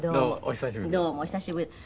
どうもお久しぶりで。